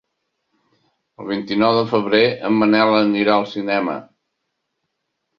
El vint-i-nou de febrer en Manel anirà al cinema.